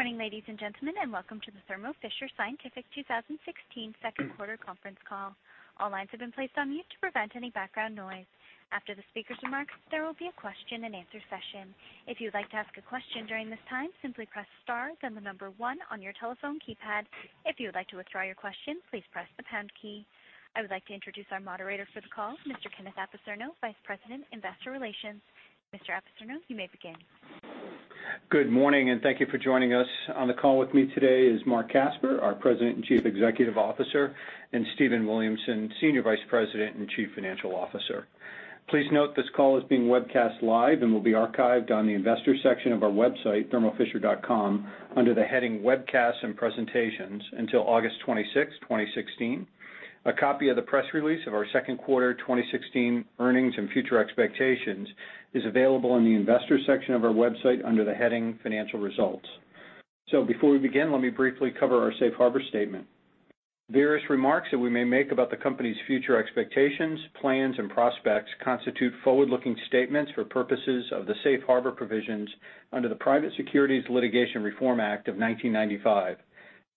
Good morning, ladies and gentlemen, welcome to the Thermo Fisher Scientific 2016 second quarter conference call. All lines have been placed on mute to prevent any background noise. After the speakers' remarks, there will be a question and answer session. If you'd like to ask a question during this time, simply press star, then the number 1 on your telephone keypad. If you would like to withdraw your question, please press the pound key. I would like to introduce our moderator for the call, Mr. Kenneth Apicerno, Vice President, Investor Relations. Mr. Apicerno, you may begin. Good morning, thank you for joining us. On the call with me today is Marc Casper, our President and Chief Executive Officer, and Stephen Williamson, Senior Vice President and Chief Financial Officer. Please note this call is being webcast live and will be archived on the investor section of our website, thermofisher.com, under the heading Webcasts and Presentations until August 26, 2016. A copy of the press release of our second quarter 2016 earnings and future expectations is available on the investor section of our website under the heading Financial Results. Before we begin, let me briefly cover our safe harbor statement. Various remarks that we may make about the company's future expectations, plans, and prospects constitute forward-looking statements for purposes of the safe harbor provisions under the Private Securities Litigation Reform Act of 1995.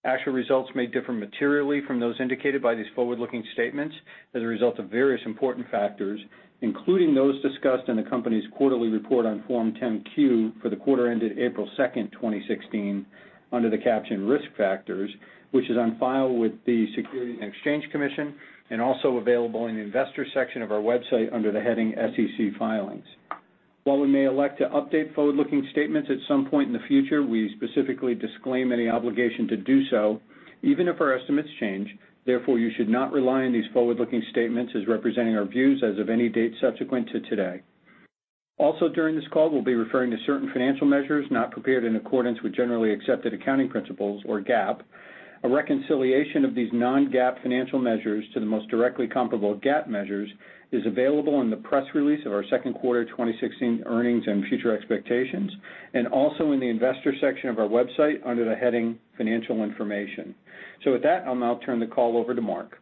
Actual results may differ materially from those indicated by these forward-looking statements as a result of various important factors, including those discussed in the company's quarterly report on Form 10-Q for the quarter ended April 2nd, 2016, under the caption Risk Factors, which is on file with the Securities and Exchange Commission and also available in the investor section of our website under the heading SEC Filings. While we may elect to update forward-looking statements at some point in the future, we specifically disclaim any obligation to do so, even if our estimates change. Therefore, you should not rely on these forward-looking statements as representing our views as of any date subsequent to today. Also during this call, we'll be referring to certain financial measures not prepared in accordance with generally accepted accounting principles, or GAAP. A reconciliation of these non-GAAP financial measures to the most directly comparable GAAP measures is available in the press release of our second quarter 2016 earnings and future expectations, also in the investor section of our website under the heading Financial Information. With that, I'll now turn the call over to Marc.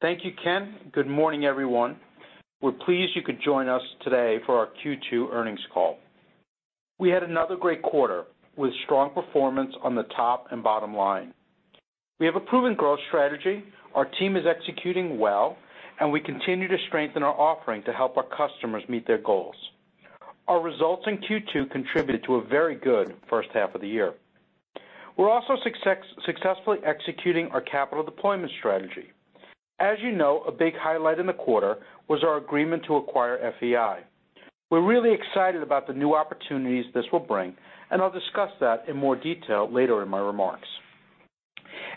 Thank you, Ken. Good morning, everyone. We're pleased you could join us today for our Q2 earnings call. We had another great quarter, with strong performance on the top and bottom line. We have a proven growth strategy, our team is executing well, and we continue to strengthen our offering to help our customers meet their goals. Our results in Q2 contributed to a very good first half of the year. We're also successfully executing our capital deployment strategy. As you know, a big highlight in the quarter was our agreement to acquire FEI. We're really excited about the new opportunities this will bring, and I'll discuss that in more detail later in my remarks.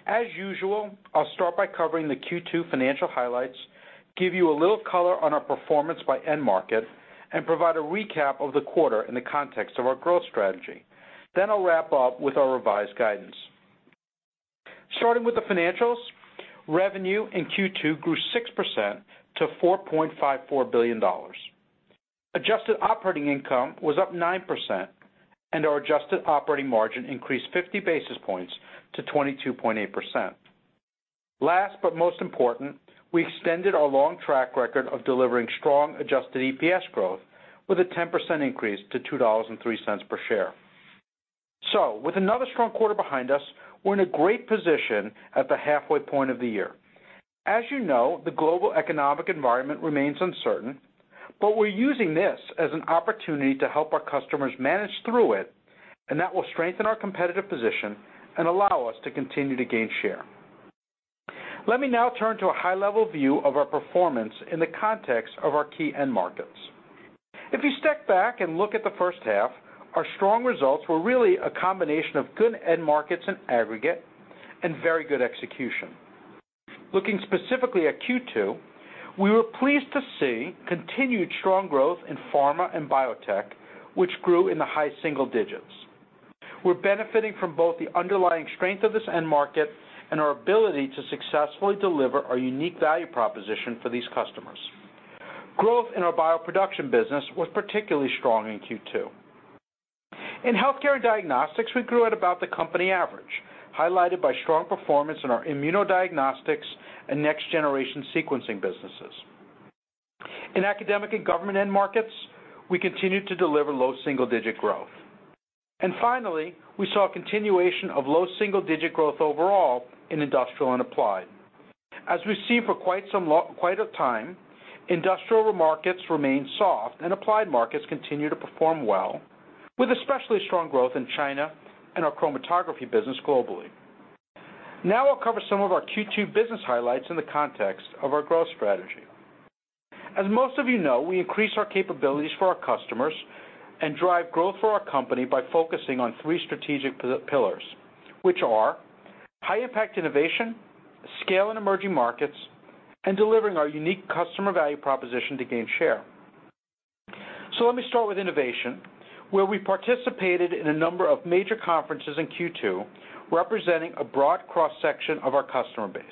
As usual, I'll start by covering the Q2 financial highlights, give you a little color on our performance by end market, and provide a recap of the quarter in the context of our growth strategy. I'll wrap up with our revised guidance. Starting with the financials, revenue in Q2 grew 6% to $4.54 billion. Adjusted operating income was up 9%, and our adjusted operating margin increased 50 basis points to 22.8%. Last but most important, we extended our long track record of delivering strong adjusted EPS growth with a 10% increase to $2.03 per share. With another strong quarter behind us, we're in a great position at the halfway point of the year. As you know, the global economic environment remains uncertain, but we're using this as an opportunity to help our customers manage through it, and that will strengthen our competitive position and allow us to continue to gain share. Let me now turn to a high-level view of our performance in the context of our key end markets. If you step back and look at the first half, our strong results were really a combination of good end markets in aggregate and very good execution. Looking specifically at Q2, we were pleased to see continued strong growth in pharma and biotech, which grew in the high single digits. We're benefiting from both the underlying strength of this end market and our ability to successfully deliver our unique value proposition for these customers. Growth in our bioproduction business was particularly strong in Q2. In healthcare diagnostics, we grew at about the company average, highlighted by strong performance in our immunodiagnostics and next-generation sequencing businesses. In academic and government end markets, we continued to deliver low double-digit growth. Finally, we saw a continuation of low single-digit growth overall in industrial and applied. As we've seen for quite a time, industrial markets remain soft, and applied markets continue to perform well, with especially strong growth in China and our chromatography business globally. I'll cover some of our Q2 business highlights in the context of our growth strategy. As most of you know, we increase our capabilities for our customers and drive growth for our company by focusing on three strategic pillars, which are high-impact innovation, scale in emerging markets, and delivering our unique customer value proposition to gain share. Let me start with innovation, where we participated in a number of major conferences in Q2, representing a broad cross-section of our customer base,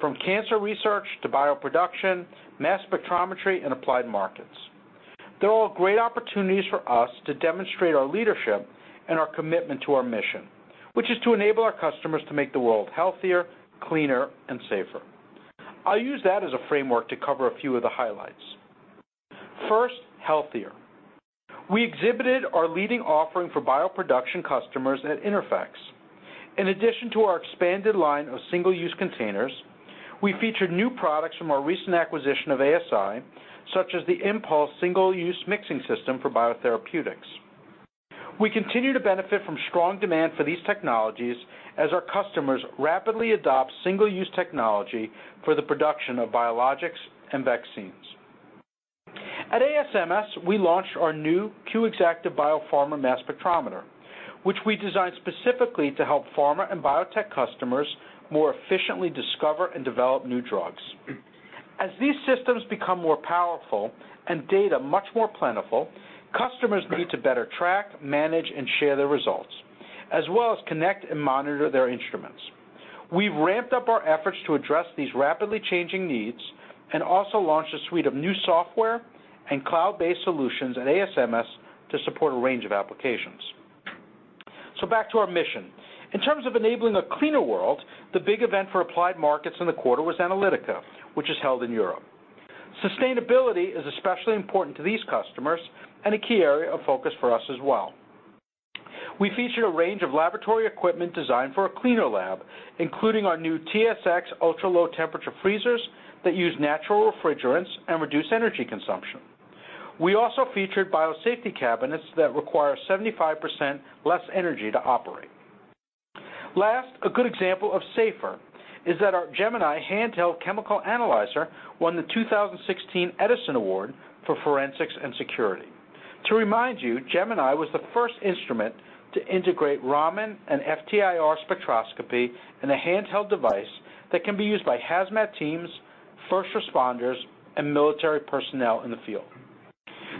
from cancer research to bioproduction, mass spectrometry, and applied markets. They're all great opportunities for us to demonstrate our leadership and our commitment to our mission, which is to enable our customers to make the world healthier, cleaner, and safer. I'll use that as a framework to cover a few of the highlights. First, healthier. We exhibited our leading offering for bioproduction customers at INTERPHEX. In addition to our expanded line of single-use containers, we featured new products from our recent acquisition of ASI, such as the imPULSE Single Use Mixing System for biotherapeutics. We continue to benefit from strong demand for these technologies as our customers rapidly adopt single-use technology for the production of biologics and vaccines. At ASMS, we launched our new Q Exactive BioPharma mass spectrometer, which we designed specifically to help pharma and biotech customers more efficiently discover and develop new drugs. As these systems become more powerful and data much more plentiful, customers need to better track, manage, and share their results, as well as connect and monitor their instruments. We've ramped up our efforts to address these rapidly changing needs and also launched a suite of new software and cloud-based solutions at ASMS to support a range of applications. Back to our mission. In terms of enabling a cleaner world, the big event for applied markets in the quarter was analytica, which is held in Europe. Sustainability is especially important to these customers and a key area of focus for us as well. We featured a range of laboratory equipment designed for a cleaner lab, including our new TSX ultra-low temperature freezers that use natural refrigerants and reduce energy consumption. We also featured biosafety cabinets that require 75% less energy to operate. Last, a good example of safer is that our Gemini handheld chemical analyzer won the 2016 Edison Award for forensics and security. To remind you, Gemini was the first instrument to integrate Raman and FTIR spectroscopy in a handheld device that can be used by HAZMAT teams, first responders, and military personnel in the field.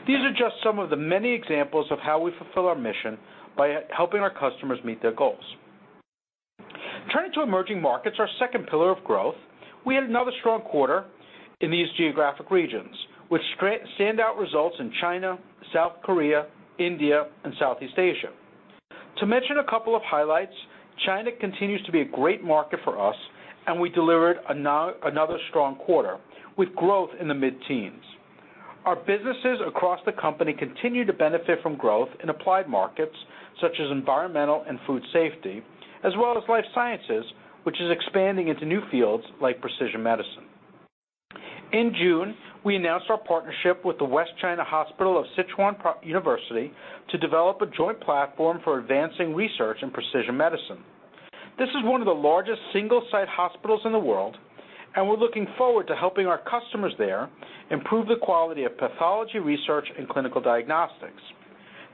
These are just some of the many examples of how we fulfill our mission by helping our customers meet their goals. Turning to emerging markets, our second pillar of growth, we had another strong quarter in these geographic regions, with stand-out results in China, South Korea, India, and Southeast Asia. To mention a couple of highlights, China continues to be a great market for us, and we delivered another strong quarter, with growth in the mid-teens. Our businesses across the company continue to benefit from growth in applied markets such as environmental and food safety, as well as life sciences, which is expanding into new fields like precision medicine. In June, we announced our partnership with the West China Hospital of Sichuan University to develop a joint platform for advancing research in precision medicine. This is one of the largest single-site hospitals in the world, and we're looking forward to helping our customers there improve the quality of pathology research and clinical diagnostics.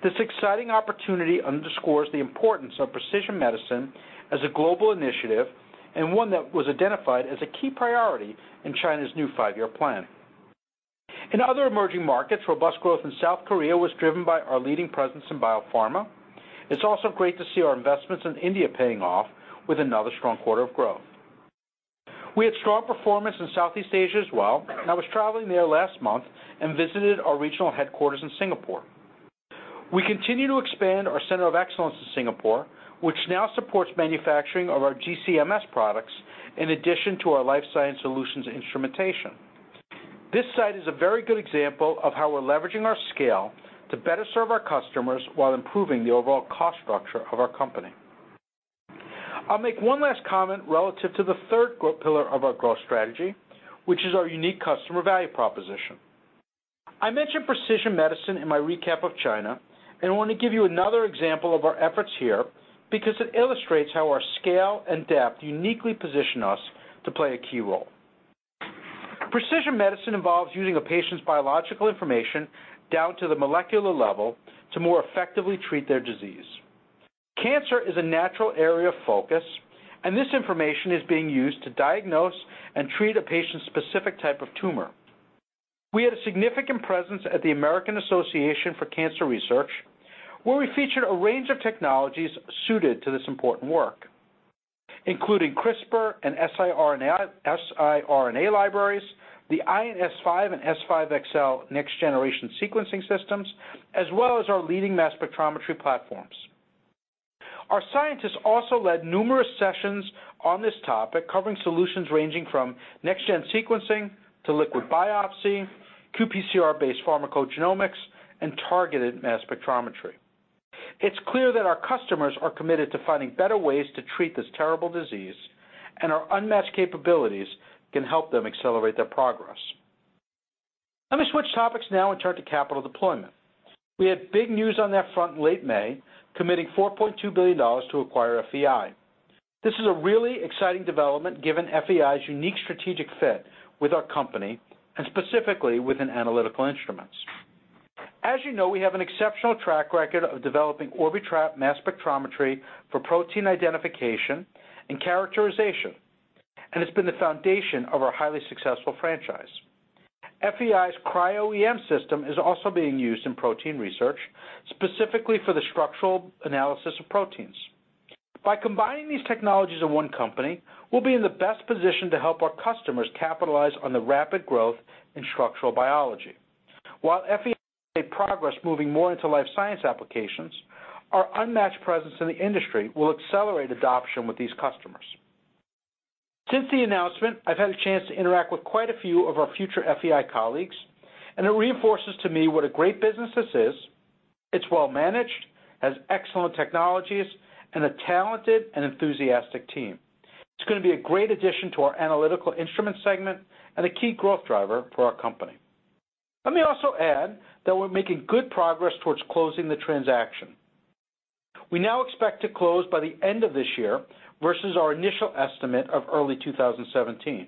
This exciting opportunity underscores the importance of precision medicine as a global initiative and one that was identified as a key priority in China's new five-year plan. In other emerging markets, robust growth in South Korea was driven by our leading presence in biopharma. It's also great to see our investments in India paying off with another strong quarter of growth. We had strong performance in Southeast Asia as well. I was traveling there last month and visited our regional headquarters in Singapore. We continue to expand our center of excellence in Singapore, which now supports manufacturing of our GC-MS products in addition to our Life Sciences Solutions instrumentation. This site is a very good example of how we're leveraging our scale to better serve our customers while improving the overall cost structure of our company. I'll make one last comment relative to the third pillar of our growth strategy, which is our unique customer value proposition. I mentioned precision medicine in my recap of China, and I want to give you another example of our efforts here because it illustrates how our scale and depth uniquely position us to play a key role. Precision medicine involves using a patient's biological information down to the molecular level to more effectively treat their disease. Cancer is a natural area of focus, and this information is being used to diagnose and treat a patient's specific type of tumor. We had a significant presence at the American Association for Cancer Research, where we featured a range of technologies suited to this important work, including CRISPR and siRNA libraries, the Ion S5 and S5 XL next generation sequencing systems, as well as our leading mass spectrometry platforms. Our scientists also led numerous sessions on this topic, covering solutions ranging from next gen sequencing to liquid biopsy, qPCR-based pharmacogenomics, and targeted mass spectrometry. It's clear that our customers are committed to finding better ways to treat this terrible disease, and our unmatched capabilities can help them accelerate their progress. Let me switch topics now and turn to capital deployment. We had big news on that front late May, committing $4.2 billion to acquire FEI. This is a really exciting development given FEI's unique strategic fit with our company, and specifically within Analytical Instruments. As you know, we have an exceptional track record of developing Orbitrap mass spectrometry for protein identification and characterization, and it's been the foundation of our highly successful franchise. FEI's Cryo-EM system is also being used in protein research, specifically for the structural analysis of proteins. By combining these technologies in one company, we'll be in the best position to help our customers capitalize on the rapid growth in structural biology. While FEI progress moving more into life science applications, our unmatched presence in the industry will accelerate adoption with these customers. Since the announcement, I've had a chance to interact with quite a few of our future FEI colleagues, and it reinforces to me what a great business this is. It's well managed, has excellent technologies, and a talented and enthusiastic team. It's going to be a great addition to our Analytical Instruments segment and a key growth driver for our company. Let me also add that we're making good progress towards closing the transaction. We now expect to close by the end of this year versus our initial estimate of early 2017.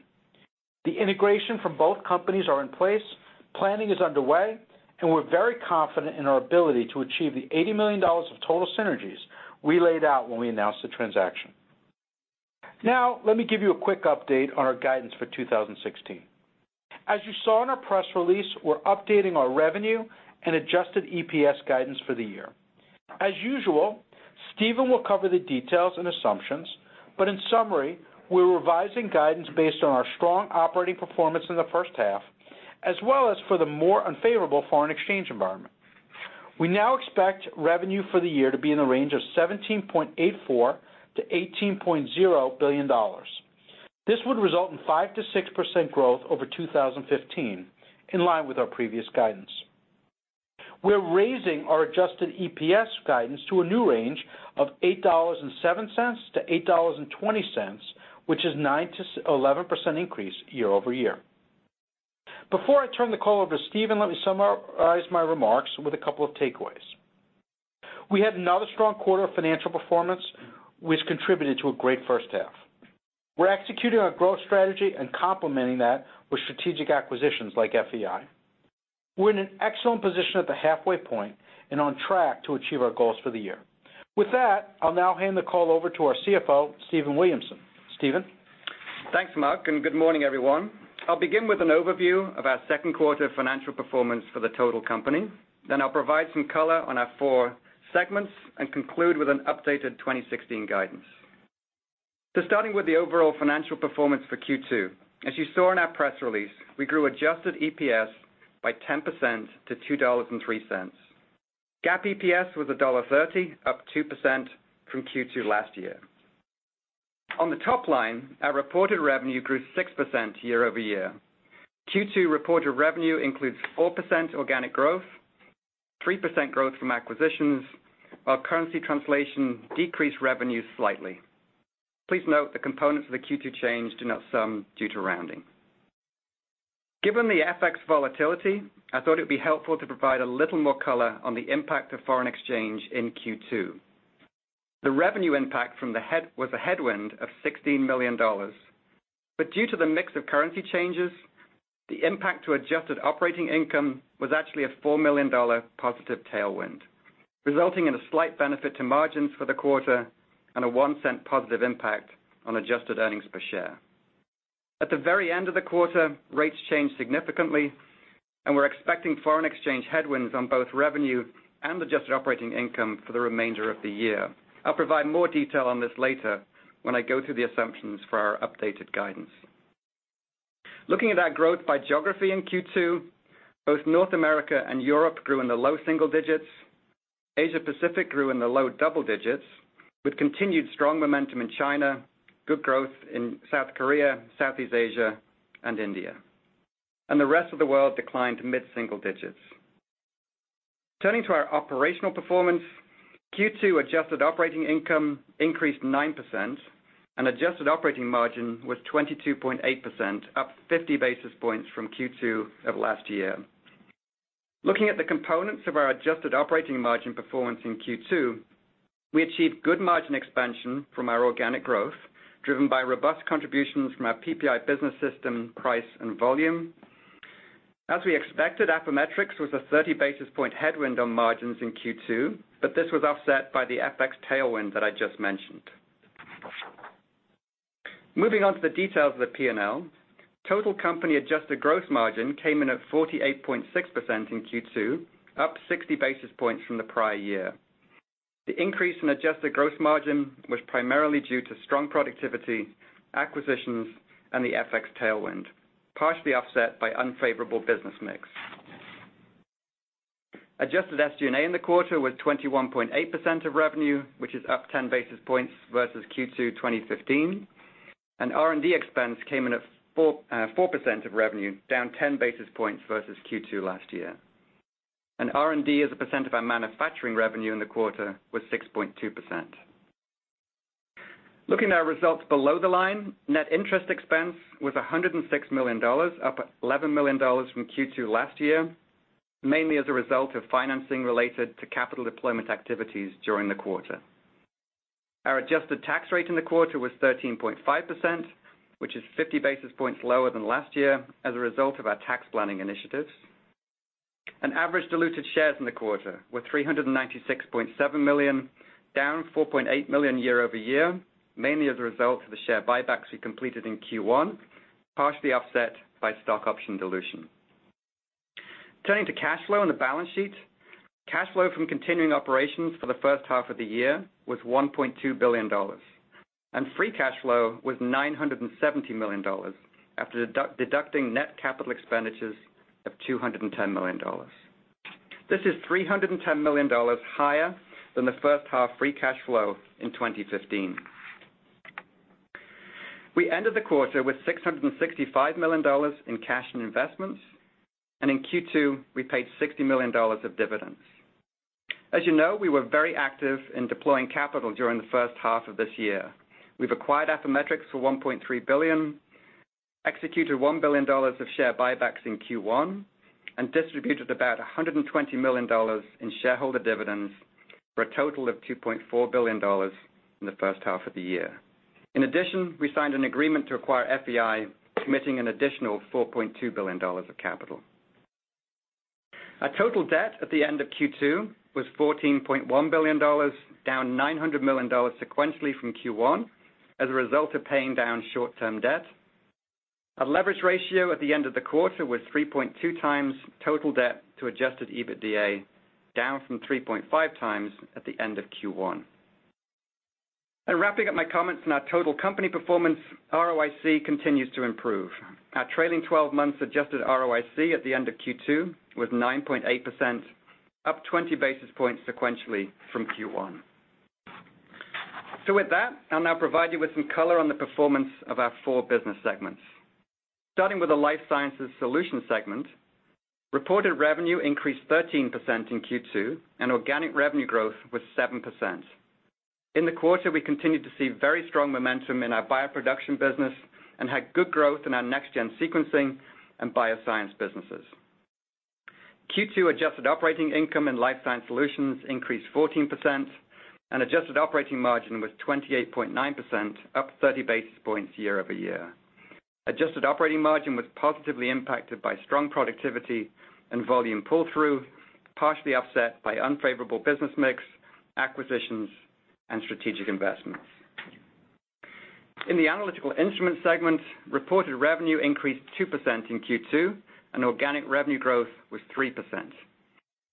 The integration from both companies are in place, planning is underway, and we're very confident in our ability to achieve the $80 million of total synergies we laid out when we announced the transaction. Now, let me give you a quick update on our guidance for 2016. As you saw in our press release, we're updating our revenue and adjusted EPS guidance for the year. As usual, Stephen will cover the details and assumptions, but in summary, we're revising guidance based on our strong operating performance in the first half, as well as for the more unfavorable foreign exchange environment. We now expect revenue for the year to be in the range of $17.84 billion-$18.0 billion. This would result in 5%-6% growth over 2015, in line with our previous guidance. We're raising our adjusted EPS guidance to a new range of $8.07-$8.20, which is 9%-11% increase year-over-year. Before I turn the call over to Stephen, let me summarize my remarks with a couple of takeaways. We had another strong quarter of financial performance, which contributed to a great first half. We're executing our growth strategy and complementing that with strategic acquisitions like FEI. We're in an excellent position at the halfway point and on track to achieve our goals for the year. With that, I'll now hand the call over to our CFO, Stephen Williamson. Stephen? Thanks, Marc, and good morning, everyone. I'll begin with an overview of our second quarter financial performance for the total company, then I'll provide some color on our four segments and conclude with an updated 2016 guidance. Starting with the overall financial performance for Q2, as you saw in our press release, we grew adjusted EPS by 10% to $2.03. GAAP EPS was $1.30, up 2% from Q2 last year. On the top line, our reported revenue grew 6% year-over-year. Q2 reported revenue includes 4% organic growth, 3% growth from acquisitions, while currency translation decreased revenues slightly. Please note the components of the Q2 change do not sum due to rounding. Given the FX volatility, I thought it would be helpful to provide a little more color on the impact of foreign exchange in Q2. The revenue impact was a headwind of $16 million. Due to the mix of currency changes, the impact to adjusted operating income was actually a $4 million positive tailwind, resulting in a slight benefit to margins for the quarter and a $0.01 positive impact on adjusted earnings per share. At the very end of the quarter, rates changed significantly, we're expecting foreign exchange headwinds on both revenue and adjusted operating income for the remainder of the year. I'll provide more detail on this later when I go through the assumptions for our updated guidance. Looking at our growth by geography in Q2, both North America and Europe grew in the low single digits. Asia Pacific grew in the low double digits with continued strong momentum in China, good growth in South Korea, Southeast Asia, and India. The rest of the world declined to mid-single digits. Turning to our operational performance, Q2 adjusted operating income increased 9% and adjusted operating margin was 22.8%, up 50 basis points from Q2 of last year. Looking at the components of our adjusted operating margin performance in Q2, we achieved good margin expansion from our organic growth, driven by robust contributions from our PPI business system price and volume. As we expected, Affymetrix was a 30-basis-point headwind on margins in Q2, but this was offset by the FX tailwind that I just mentioned. Moving on to the details of the P&L, total company adjusted gross margin came in at 48.6% in Q2, up 60 basis points from the prior year. The increase in adjusted gross margin was primarily due to strong productivity, acquisitions, and the FX tailwind, partially offset by unfavorable business mix. Adjusted SG&A in the quarter was 21.8% of revenue, which is up 10 basis points versus Q2 2015, R&D expense came in at 4% of revenue, down 10 basis points versus Q2 last year. R&D as a percent of our manufacturing revenue in the quarter was 6.2%. Looking at our results below the line, net interest expense was $106 million, up $11 million from Q2 last year, mainly as a result of financing related to capital deployment activities during the quarter. Our adjusted tax rate in the quarter was 13.5%, which is 50 basis points lower than last year as a result of our tax planning initiatives. Average diluted shares in the quarter were 396.7 million, down 4.8 million year-over-year, mainly as a result of the share buybacks we completed in Q1, partially offset by stock option dilution. Turning to cash flow and the balance sheet, cash flow from continuing operations for the first half of the year was $1.2 billion, and free cash flow was $970 million after deducting net capital expenditures of $210 million. This is $310 million higher than the first half free cash flow in 2015. We ended the quarter with $665 million in cash and investments, and in Q2, we paid $60 million of dividends. As you know, we were very active in deploying capital during the first half of this year. We've acquired Affymetrix for $1.3 billion, executed $1 billion of share buybacks in Q1, and distributed about $120 million in shareholder dividends for a total of $2.4 billion in the first half of the year. In addition, we signed an agreement to acquire FEI, committing an additional $4.2 billion of capital. Our total debt at the end of Q2 was $14.1 billion, down $900 million sequentially from Q1 as a result of paying down short-term debt. Our leverage ratio at the end of the quarter was 3.2 times total debt to adjusted EBITDA, down from 3.5 times at the end of Q1. Wrapping up my comments on our total company performance, ROIC continues to improve. Our trailing 12 months adjusted ROIC at the end of Q2 was 9.8%, up 20 basis points sequentially from Q1. With that, I'll now provide you with some color on the performance of our four business segments. Starting with the Life Sciences Solutions segment, reported revenue increased 13% in Q2, and organic revenue growth was 7%. In the quarter, we continued to see very strong momentum in our bioproduction business and had good growth in our next-gen sequencing and bioscience businesses. Q2 adjusted operating income in Life Sciences Solutions increased 14%, and adjusted operating margin was 28.9%, up 30 basis points year-over-year. Adjusted operating margin was positively impacted by strong productivity and volume pull-through, partially offset by unfavorable business mix, acquisitions, and strategic investments. In the Analytical Instruments segment, reported revenue increased 2% in Q2, and organic revenue growth was 3%.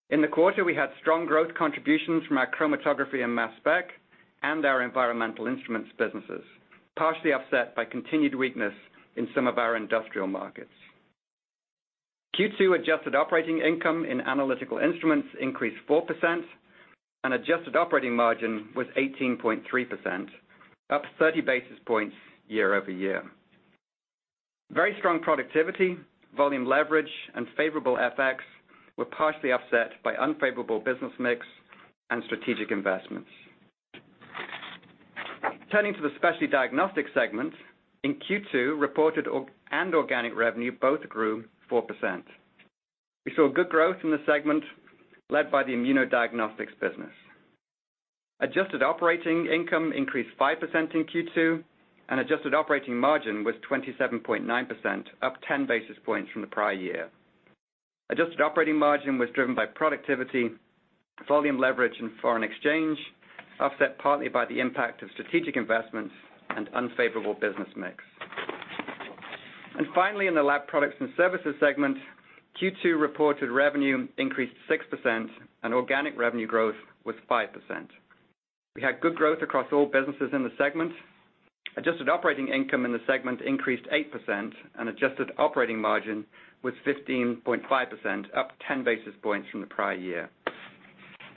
In the quarter, we had strong growth contributions from our Chromatography and Mass Spec and our environmental instruments businesses, partially offset by continued weakness in some of our industrial markets. Q2 adjusted operating income in Analytical Instruments increased 4%, and adjusted operating margin was 18.3%, up 30 basis points year-over-year. Very strong productivity, volume leverage, and favorable FX were partially offset by unfavorable business mix and strategic investments. Turning to the Specialty Diagnostics segment, in Q2, reported and organic revenue both grew 4%. We saw good growth in the segment led by the immunodiagnostics business. Adjusted operating income increased 5% in Q2, and adjusted operating margin was 27.9%, up 10 basis points from the prior year. Adjusted operating margin was driven by productivity, volume leverage, and foreign exchange, offset partly by the impact of strategic investments and unfavorable business mix. Finally, in the Laboratory Products and Services segment, Q2 reported revenue increased 6%, and organic revenue growth was 5%. We had good growth across all businesses in the segment. Adjusted operating income in the segment increased 8%, and adjusted operating margin was 15.5%, up 10 basis points from the prior year.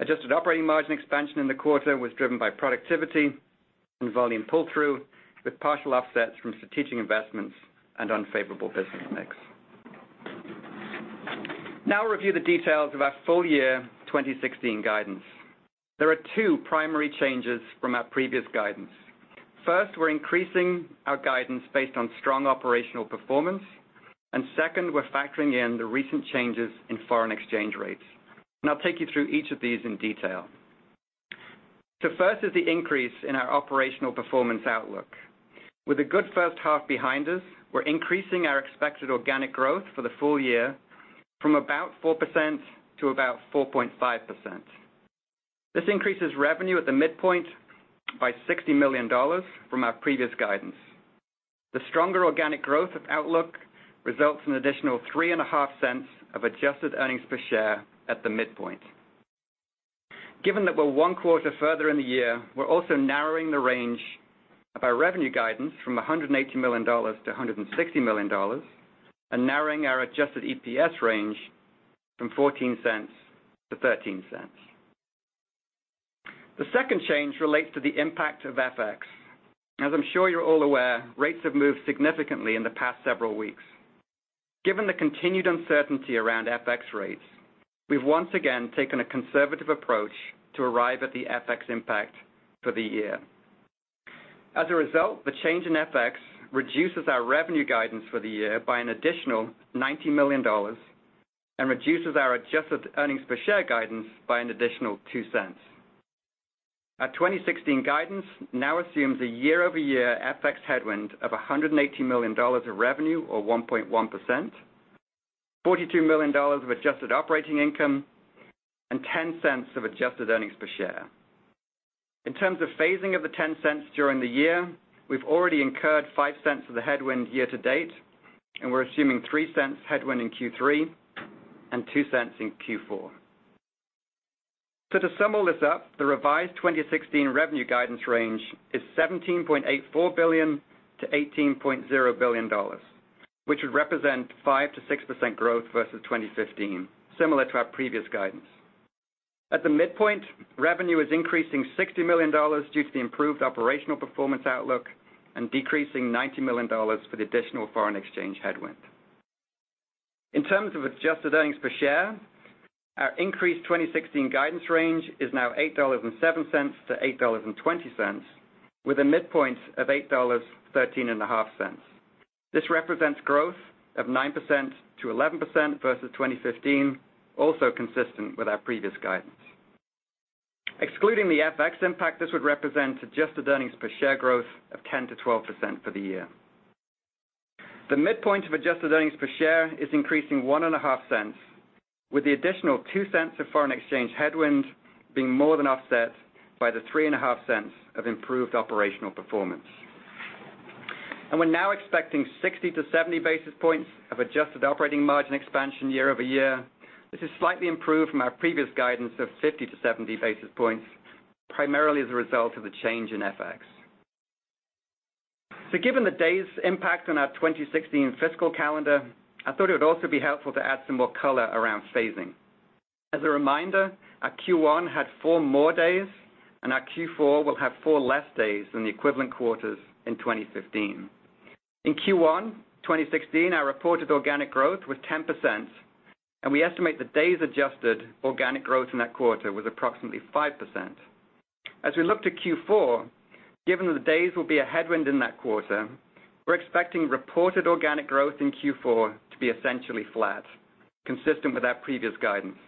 Adjusted operating margin expansion in the quarter was driven by productivity and volume pull-through, with partial offsets from strategic investments and unfavorable business mix. Now I'll review the details of our full year 2016 guidance. There are two primary changes from our previous guidance. First, we're increasing our guidance based on strong operational performance, and second, we're factoring in the recent changes in foreign exchange rates. I'll take you through each of these in detail. First is the increase in our operational performance outlook. With a good first half behind us, we're increasing our expected organic growth for the full year from about 4% to about 4.5%. This increases revenue at the midpoint by $60 million from our previous guidance. The stronger organic growth outlook results in additional $0.035 of adjusted earnings per share at the midpoint. Given that we're one quarter further in the year, we're also narrowing the range of our revenue guidance from $180 million to $160 million and narrowing our adjusted EPS range from $0.14 to $0.13. The second change relates to the impact of FX. As I'm sure you're all aware, rates have moved significantly in the past several weeks. Given the continued uncertainty around FX rates, we've once again taken a conservative approach to arrive at the FX impact for the year. As a result, the change in FX reduces our revenue guidance for the year by an additional $90 million and reduces our adjusted earnings per share guidance by an additional $0.02. Our 2016 guidance now assumes a year-over-year FX headwind of $180 million of revenue, or 1.1%, $42 million of adjusted operating income, and $0.10 of adjusted earnings per share. In terms of phasing of the $0.10 during the year, we've already incurred $0.05 of the headwind year-to-date, and we're assuming $0.03 headwind in Q3 and $0.02 in Q4. To sum all this up, the revised 2016 revenue guidance range is $17.84 billion-$18.0 billion, which would represent 5%-6% growth versus 2015, similar to our previous guidance. At the midpoint, revenue is increasing $60 million due to the improved operational performance outlook and decreasing $90 million for the additional foreign exchange headwind. In terms of adjusted earnings per share, our increased 2016 guidance range is now $8.07-$8.20, with a midpoint of $8.135. This represents growth of 9%-11% versus 2015, also consistent with our previous guidance. Excluding the FX impact, this would represent adjusted earnings per share growth of 10%-12% for the year. The midpoint of adjusted earnings per share is increasing $0.015, with the additional $0.02 of foreign exchange headwind being more than offset by the $0.035 of improved operational performance. We're now expecting 60-70 basis points of adjusted operating margin expansion year-over-year. This is slightly improved from our previous guidance of 50-70 basis points, primarily as a result of the change in FX. Given the day's impact on our 2016 fiscal calendar, I thought it would also be helpful to add some more color around phasing. As a reminder, our Q1 had four more days, and our Q4 will have four less days than the equivalent quarters in 2015. In Q1 2016, our reported organic growth was 10%, and we estimate the days adjusted organic growth in that quarter was approximately 5%. We look to Q4, given that the days will be a headwind in that quarter, we're expecting reported organic growth in Q4 to be essentially flat, consistent with our previous guidance.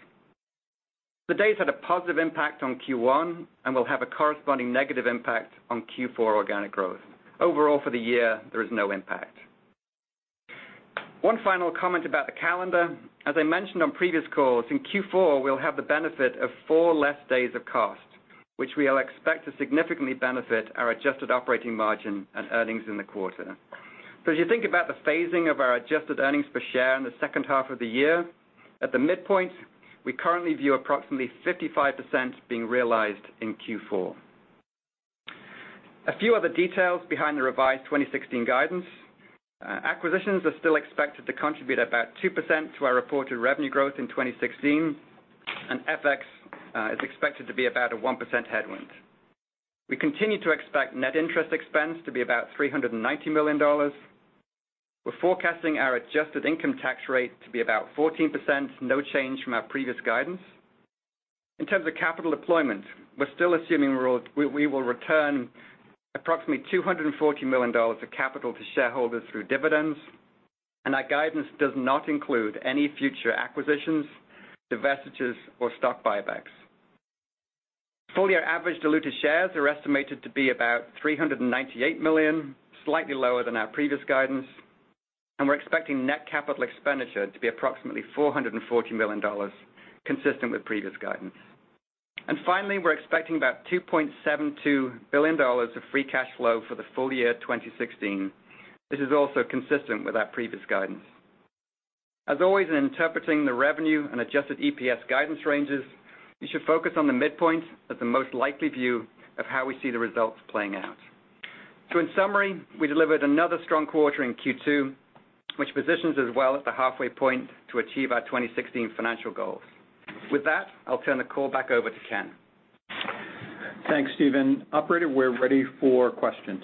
The days had a positive impact on Q1 and will have a corresponding negative impact on Q4 organic growth. Overall for the year, there is no impact. One final comment about the calendar. As I mentioned on previous calls, in Q4 we'll have the benefit of four less days of cost, which we expect to significantly benefit our adjusted operating margin and earnings in the quarter. As you think about the phasing of our adjusted earnings per share in the second half of the year, at the midpoint, we currently view approximately 55% being realized in Q4. A few other details behind the revised 2016 guidance. Acquisitions are still expected to contribute about 2% to our reported revenue growth in 2016, and FX is expected to be about a 1% headwind. We continue to expect net interest expense to be about $390 million. We're forecasting our adjusted income tax rate to be about 14%, no change from our previous guidance. In terms of capital deployment, we're still assuming we will return approximately $240 million of capital to shareholders through dividends, and our guidance does not include any future acquisitions, divestitures, or stock buybacks. Full-year average diluted shares are estimated to be about 398 million, slightly lower than our previous guidance, and we're expecting net capital expenditure to be approximately $440 million, consistent with previous guidance. Finally, we're expecting about $2.72 billion of free cash flow for the full year 2016. This is also consistent with our previous guidance. As always, in interpreting the revenue and adjusted EPS guidance ranges, you should focus on the midpoint as the most likely view of how we see the results playing out. In summary, we delivered another strong quarter in Q2, which positions us well at the halfway point to achieve our 2016 financial goals. With that, I'll turn the call back over to Ken. Thanks, Stephen. Operator, we're ready for questions.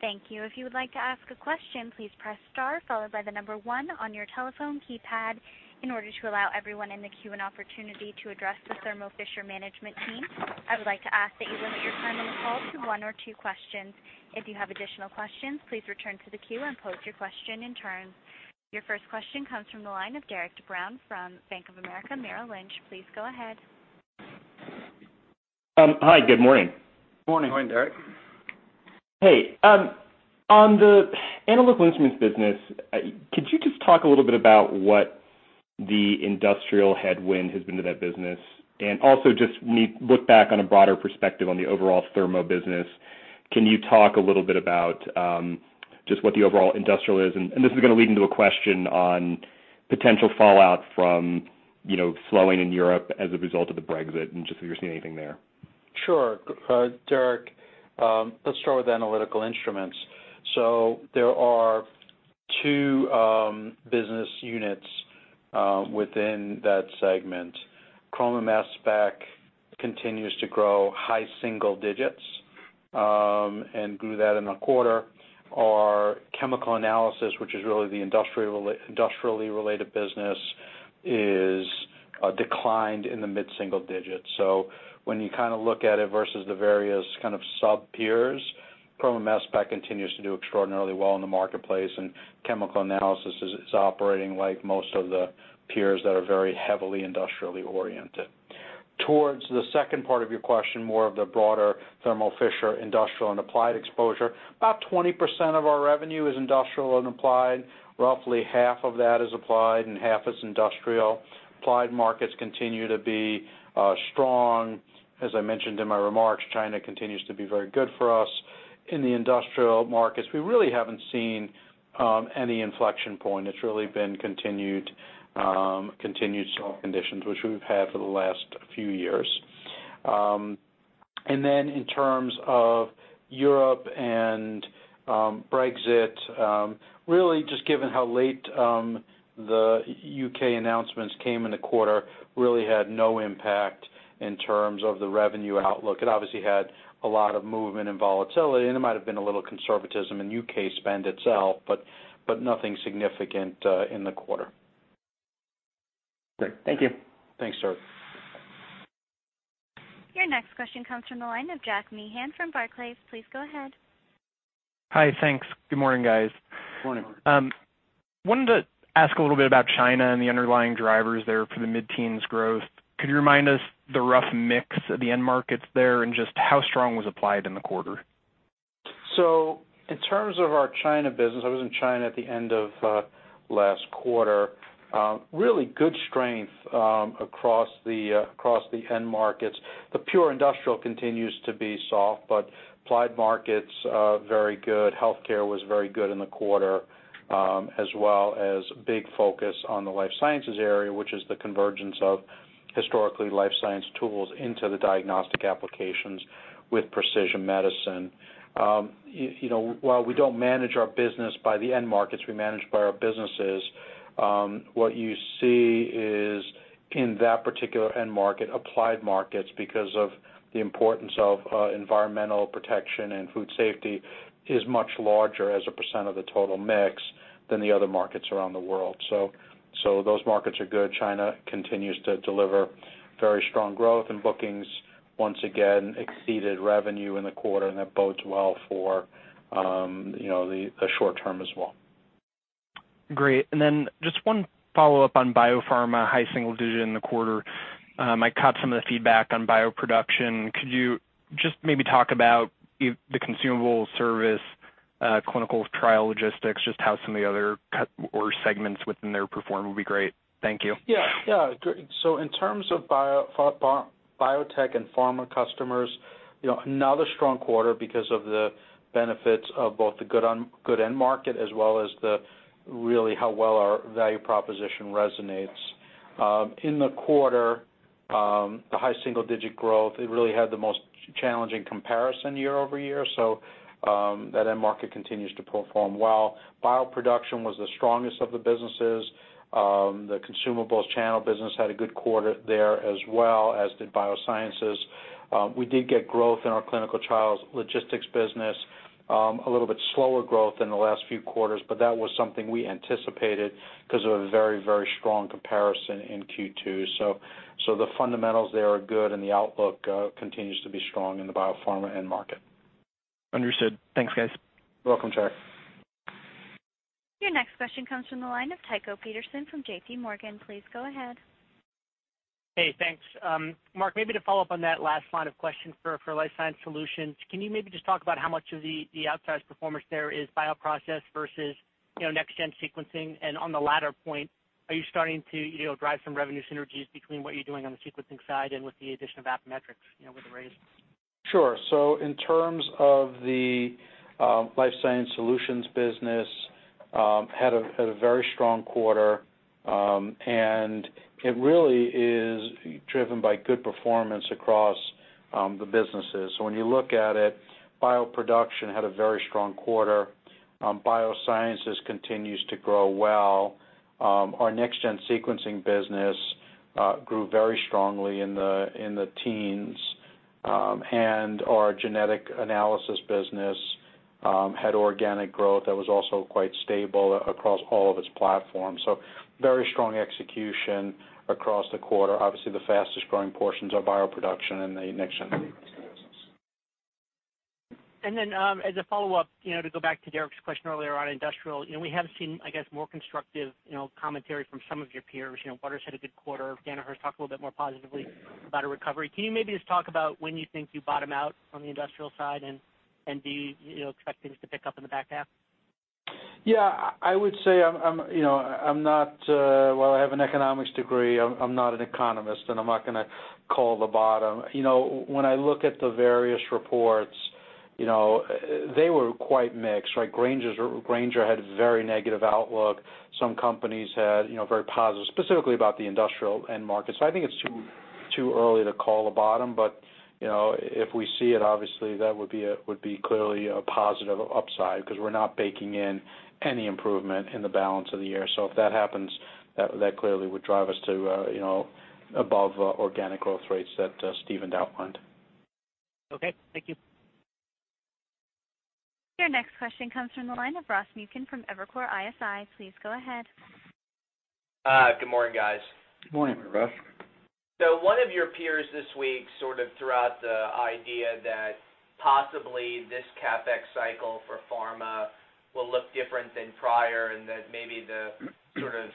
Thank you. If you would like to ask a question, please press star followed by the number one on your telephone keypad. In order to allow everyone in the queue an opportunity to address the Thermo Fisher management team, I would like to ask that you limit your time in the call to one or two questions. If you have additional questions, please return to the queue and pose your question in turn. Your first question comes from the line of Derik de Bruin from Bank of America Merrill Lynch. Please go ahead. Hi, good morning. Morning. Morning, Derik. Hey. On the Analytical Instruments business, could you just talk a little bit about what the industrial headwind has been to that business? Also just when you look back on a broader perspective on the overall Thermo business, can you talk a little bit about, just what the overall industrial is? This is going to lead into a question on potential fallout from slowing in Europe as a result of the Brexit and just if you're seeing anything there. Sure. Derik, let's start with Analytical Instruments. There are two business units within that segment. Chroma Mass Spec continues to grow high single-digits, and grew that in the quarter. Our chemical analysis, which is really the industrially related business, declined in the mid-single-digits. When you look at it versus the various kind of sub peers, Chroma Mass Spec continues to do extraordinarily well in the marketplace, and chemical analysis is operating like most of the peers that are very heavily industrially oriented. Towards the second part of your question, more of the broader Thermo Fisher industrial and applied exposure, about 20% of our revenue is industrial and applied. Roughly half of that is applied and half is industrial. Applied markets continue to be strong. As I mentioned in my remarks, China continues to be very good for us. In the industrial markets, we really haven't seen any inflection point. It's really been continued soft conditions, which we've had for the last few years. Then in terms of Europe and Brexit, really just given how late the U.K. announcements came in the quarter, really had no impact in terms of the revenue outlook. It obviously had a lot of movement and volatility, and it might have been a little conservatism in U.K. spend itself, but nothing significant in the quarter. Great. Thank you. Thanks, sir. Your next question comes from the line of Jack Meehan from Barclays. Please go ahead. Hi, thanks. Good morning, guys. Morning. Wanted to ask a little bit about China and the underlying drivers there for the mid-teens growth. Could you remind us the rough mix of the end markets there, and just how strong was applied in the quarter? In terms of our China business, I was in China at the end of last quarter. Really good strength across the end markets. The pure industrial continues to be soft, but applied markets, very good. Healthcare was very good in the quarter, as well as big focus on the life sciences area, which is the convergence of historically life science tools into the diagnostic applications with precision medicine. We don't manage our business by the end markets, we manage by our businesses, what you see is in that particular end market, applied markets, because of the importance of environmental protection and food safety, is much larger as a percent of the total mix than the other markets around the world. Those markets are good. China continues to deliver very strong growth. Bookings once again exceeded revenue in the quarter, and that bodes well for the short term as well. Great. Just one follow-up on biopharma, high single digit in the quarter. I caught some of the feedback on bioproduction. Could you just maybe talk about the consumable service, clinical trial logistics, just how some of the other segments within there perform would be great. Thank you. Yeah. In terms of biotech and pharma customers, another strong quarter because of the benefits of both the good end market as well as really how well our value proposition resonates. In the quarter, the high single-digit growth, it really had the most challenging comparison year-over-year. That end market continues to perform well. Bioproduction was the strongest of the businesses. The consumables channel business had a good quarter there as well, as did biosciences. We did get growth in our clinical trials logistics business, a little bit slower growth than the last few quarters, but that was something we anticipated because of a very strong comparison in Q2. The fundamentals there are good, and the outlook continues to be strong in the biopharma end market. Understood. Thanks, guys. You're welcome, Jack. Your next question comes from the line of Tycho Peterson from JP Morgan. Please go ahead. Thanks. Marc, maybe to follow up on that last line of question for Life Sciences Solutions, can you maybe just talk about how much of the outsized performance there is bioprocess versus next-gen sequencing? On the latter point, are you starting to drive some revenue synergies between what you're doing on the sequencing side and with the addition of Affymetrix, with the raise? Sure. In terms of the Life Sciences Solutions business, had a very strong quarter, and it really is driven by good performance across the businesses. When you look at it, bioproduction had a very strong quarter. Biosciences continues to grow well. Our next-gen sequencing business grew very strongly in the teens. Our genetic analysis business had organic growth that was also quite stable across all of its platforms. Very strong execution across the quarter. Obviously, the fastest-growing portions are bioproduction and the next-gen sequencing business. As a follow-up, to go back to Derik's question earlier on industrial, we have seen, I guess, more constructive commentary from some of your peers. Waters had a good quarter. Danaher's talked a little bit more positively about a recovery. Can you maybe just talk about when you think you bottom out on the industrial side and do you expect things to pick up in the back half? I would say, while I have an economics degree, I'm not an economist, I'm not going to call the bottom. When I look at the various reports, they were quite mixed, right? Grainger had a very negative outlook. Some companies had very positive, specifically about the industrial end market. I think it's too early to call a bottom. If we see it, obviously, that would be clearly a positive upside because we're not baking in any improvement in the balance of the year. If that happens, that clearly would drive us to above organic growth rates that Stephen outlined. Okay. Thank you. Your next question comes from the line of Ross Muken from Evercore ISI. Please go ahead. Good morning, guys. Good morning, Ross. One of your peers this week sort of threw out the idea that possibly this CapEx cycle for pharma will look different than prior, and that maybe the sort of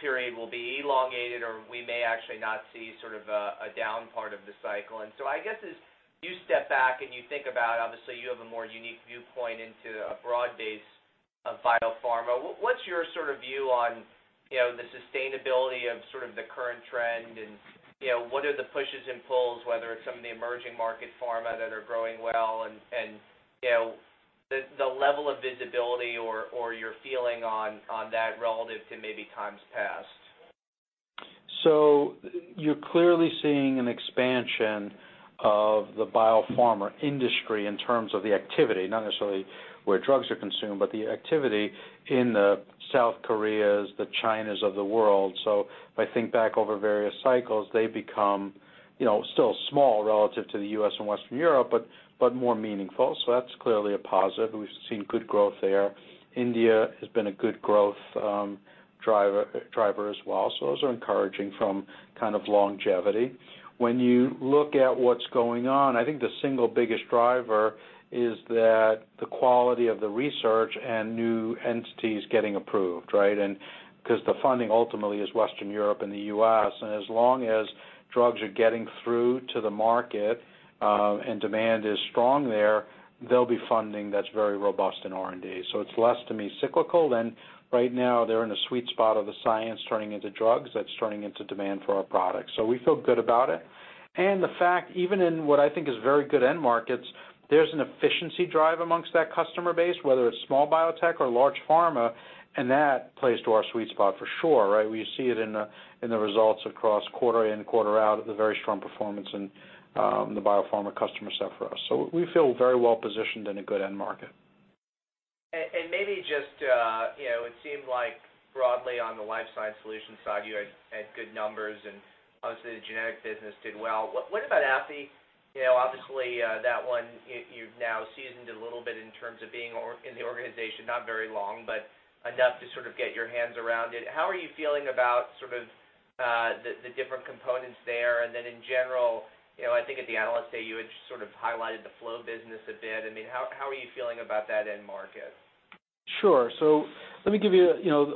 period will be elongated, or we may actually not see sort of a down part of the cycle. I guess as you step back and you think about, obviously, you have a more unique viewpoint into a broad-based biopharma. What's your view on the sustainability of the current trend and what are the pushes and pulls, whether it's some of the emerging market pharma that are growing well and the level of visibility or your feeling on that relative to maybe times past? You're clearly seeing an expansion of the biopharma industry in terms of the activity, not necessarily where drugs are consumed, but the activity in the South Koreas, the Chinas of the world. If I think back over various cycles, they become still small relative to the U.S. and Western Europe, but more meaningful. That's clearly a positive, and we've seen good growth there. India has been a good growth driver as well, those are encouraging from longevity. When you look at what's going on, I think the single biggest driver is that the quality of the research and new entities getting approved, right? Because the funding ultimately is Western Europe and the U.S., and as long as drugs are getting through to the market, and demand is strong there'll be funding that's very robust in R&D. It's less, to me, cyclical than right now they're in a sweet spot of the science turning into drugs, that's turning into demand for our products. We feel good about it. The fact, even in what I think is very good end markets, there's an efficiency drive amongst that customer base, whether it's small biotech or large pharma, and that plays to our sweet spot for sure, right? We see it in the results across quarter in, quarter out with a very strong performance in the biopharma customer set for us. We feel very well-positioned in a good end market. Maybe just, it seemed like broadly on the Life Sciences Solutions side, you had good numbers, and obviously the genetic business did well. What about Affy? Obviously, that one you've now seasoned a little bit in terms of being in the organization not very long, but enough to get your hands around it. How are you feeling about the different components there? Then in general, I think at the Analyst Day, you had just highlighted the flow business a bit. How are you feeling about that end market? Sure. Let me give you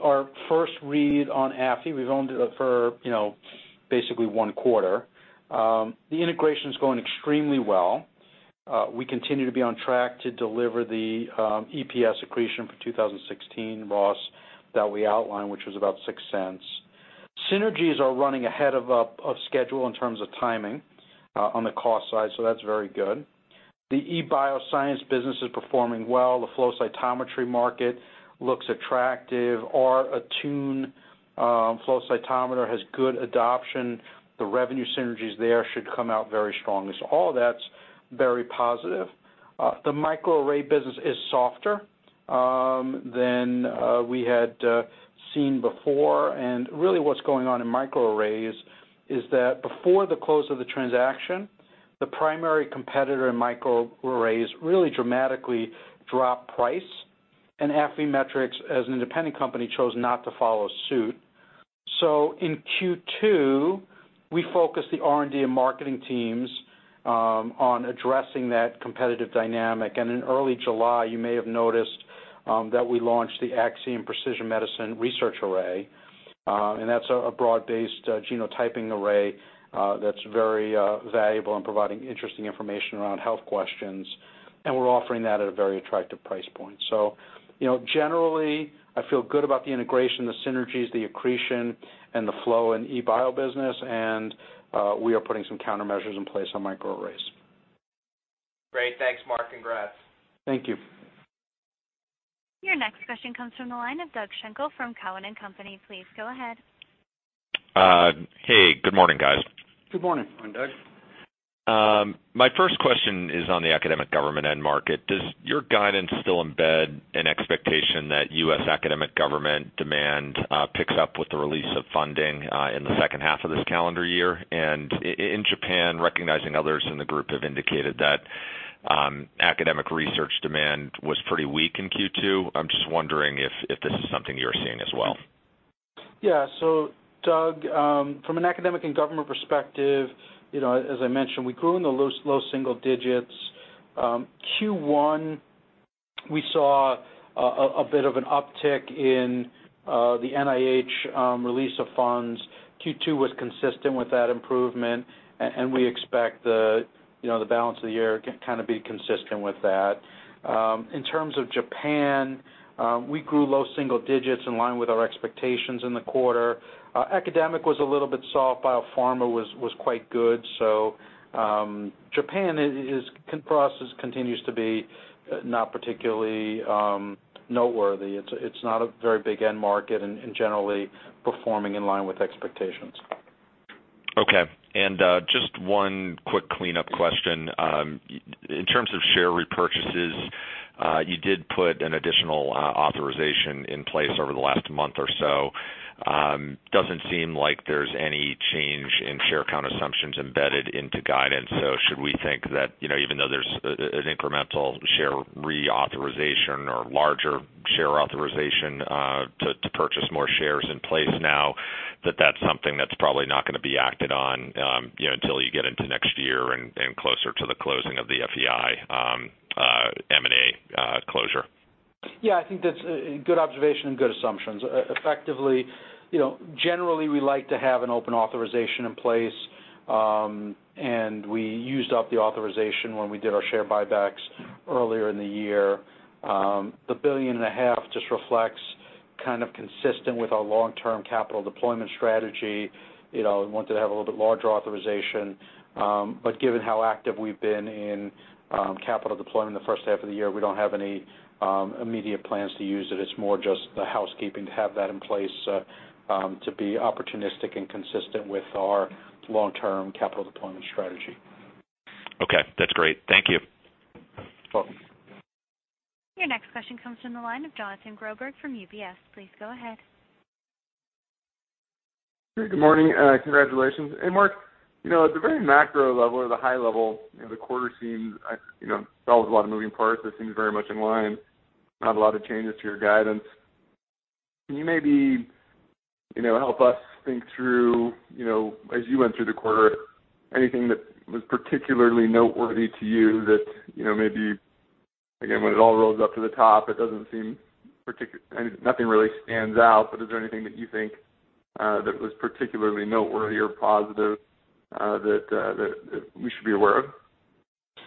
our first read on Affy. We've owned it for basically one quarter. The integration's going extremely well. We continue to be on track to deliver the EPS accretion for 2016, Ross, that we outlined, which was about $0.06. Synergies are running ahead of schedule in terms of timing on the cost side, that's very good. The eBioscience business is performing well. The flow cytometry market looks attractive. Our Attune flow cytometer has good adoption. The revenue synergies there should come out very strongly. All that's very positive. The microarray business is softer than we had seen before. Really what's going on in microarrays is that before the close of the transaction, the primary competitor in microarrays really dramatically dropped price, and Affymetrix, as an independent company, chose not to follow suit. In Q2, we focused the R&D and marketing teams on addressing that competitive dynamic. In early July, you may have noticed that we launched the Axiom Precision Medicine Research Array, and that's a broad-based genotyping array that's very valuable and providing interesting information around health questions, and we're offering that at a very attractive price point. Generally, I feel good about the integration, the synergies, the accretion, and the flow in eBio business, and we are putting some countermeasures in place on microarrays. Great. Thanks, Marc. Congrats. Thank you. Your next question comes from the line of Doug Schenkel from Cowen and Company. Please go ahead. Hey, good morning, guys. Good morning. Morning, Doug. My first question is on the academic government end market. Does your guidance still embed an expectation that U.S. academic government demand picks up with the release of funding in the second half of this calendar year? In Japan, recognizing others in the group have indicated that academic research demand was pretty weak in Q2, I'm just wondering if this is something you're seeing as well. Yeah. Doug, from an academic and government perspective, as I mentioned, we grew in the low single digits. Q1, we saw a bit of an uptick in the NIH release of funds. Q2 was consistent with that improvement, we expect the balance of the year to be consistent with that. In terms of Japan, we grew low single digits in line with our expectations in the quarter. Academic was a little bit soft. Biopharma was quite good. Japan for us continues to be not particularly noteworthy. It's not a very big end market and generally performing in line with expectations. Okay. Just one quick cleanup question. In terms of share repurchases, you did put an additional authorization in place over the last month or so. Doesn't seem like there's any change in share count assumptions embedded into guidance. Should we think that even though there's an incremental share reauthorization or larger share authorization to purchase more shares in place now, that that's something that's probably not going to be acted on until you get into next year and closer to the closing of the FEI M&A closure? Yeah, I think that's a good observation and good assumptions. Effectively, generally, we like to have an open authorization in place. We used up the authorization when we did our share buybacks earlier in the year. The billion and a half just reflects consistent with our long-term capital deployment strategy, wanted to have a little bit larger authorization. Given how active we've been in capital deployment in the first half of the year, we don't have any immediate plans to use it. It's more just the housekeeping to have that in place to be opportunistic and consistent with our long-term capital deployment strategy. Okay. That's great. Thank you. Welcome. Your next question comes from the line of Jonathan Groberg from UBS. Please go ahead. Good morning. Congratulations. Marc, at the very macro level or the high level, the quarter seems, there was a lot of moving parts. This seems very much in line. Not a lot of changes to your guidance. Can you maybe help us think through, as you went through the quarter, anything that was particularly noteworthy to you that maybe, again, when it all rolls up to the top, nothing really stands out, but is there anything that you think that was particularly noteworthy or positive that we should be aware of?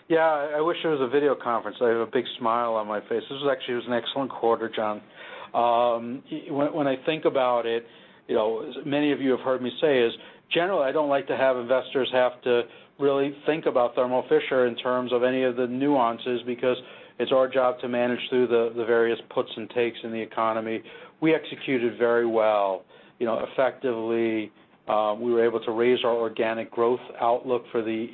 Yeah, I wish it was a video conference. I have a big smile on my face. This actually was an excellent quarter, John. When I think about it, as many of you have heard me say, is generally, I don't like to have investors have to really think about Thermo Fisher in terms of any of the nuances, because it's our job to manage through the various puts and takes in the economy. We executed very well. Effectively, we were able to raise our organic growth outlook for the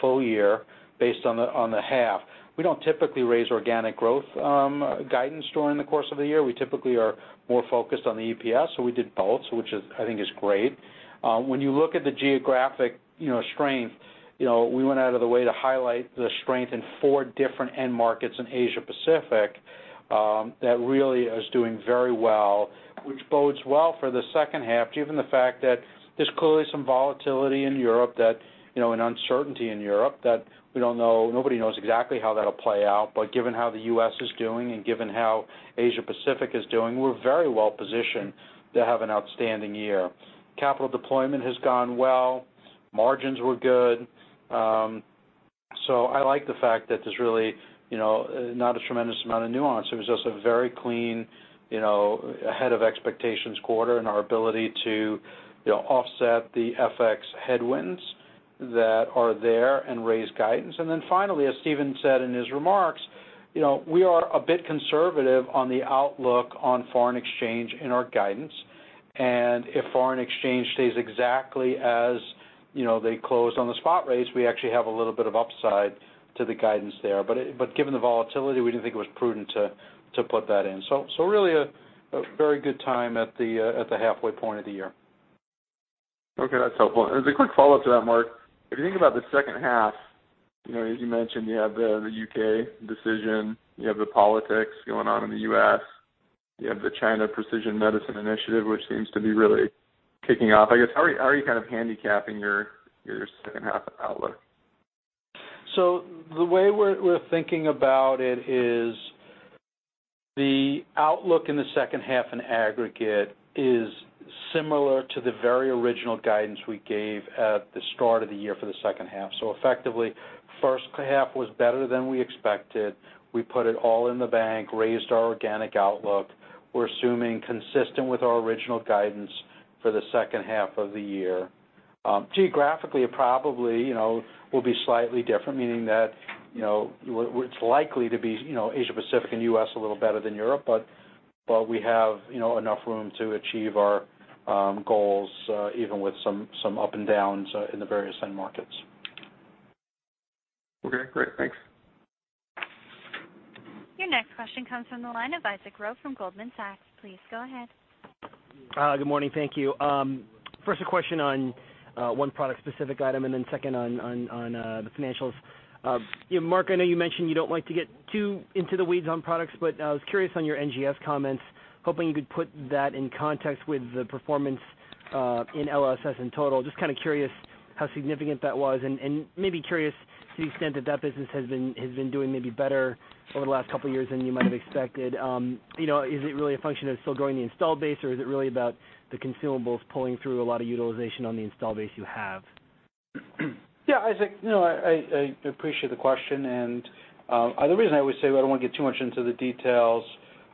full year based on the half. We don't typically raise organic growth guidance during the course of the year. We typically are more focused on the EPS. We did both, which I think is great. When you look at the geographic strength, we went out of the way to highlight the strength in four different end markets in Asia Pacific that really is doing very well, which bodes well for the second half, given the fact that there's clearly some volatility in Europe, and uncertainty in Europe that nobody knows exactly how that'll play out. Given how the U.S. is doing and given how Asia Pacific is doing, we're very well positioned to have an outstanding year. Capital deployment has gone well. Margins were good. I like the fact that there's really not a tremendous amount of nuance. It was just a very clean ahead of expectations quarter in our ability to offset the FX headwinds that are there and raise guidance. Finally, as Stephen said in his remarks, we are a bit conservative on the outlook on foreign exchange in our guidance. If foreign exchange stays exactly as they closed on the spot rates, we actually have a little bit of upside to the guidance there. Given the volatility, we didn't think it was prudent to put that in. Really a very good time at the halfway point of the year. Okay. That's helpful. As a quick follow-up to that, Marc, if you think about the second half, as you mentioned, you have the U.K. decision, you have the politics going on in the U.S., you have the China Precision Medicine Initiative, which seems to be really kicking off. I guess, how are you handicapping your second half outlook? The way we're thinking about it is the outlook in the second half in aggregate is similar to the very original guidance we gave at the start of the year for the second half. Effectively, first half was better than we expected. We put it all in the bank, raised our organic outlook. We're assuming consistent with our original guidance for the second half of the year. Geographically, it probably will be slightly different, meaning that it's likely to be Asia Pacific and U.S. a little better than Europe, but we have enough room to achieve our goals even with some up and downs in the various end markets. Okay, great. Thanks. Your next question comes from the line of Isaac Ro from Goldman Sachs. Please go ahead. Good morning. Thank you. First a question on one product specific item, then second on the financials. Marc, I know you mentioned you don't like to get too into the weeds on products, but I was curious on your NGS comments, hoping you could put that in context with the performance in LSS in total. Just kind of curious how significant that was, and maybe curious to the extent that that business has been doing maybe better over the last couple of years than you might have expected. Is it really a function of still growing the install base, or is it really about the consumables pulling through a lot of utilization on the install base you have? Yeah, Isaac, I appreciate the question, and the reason I always say I don't want to get too much into the details